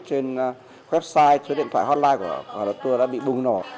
trên website trên điện thoại hotline của hlt tour đã bị bùng nổ